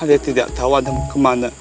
ada yang tidak tahu ada mau kemana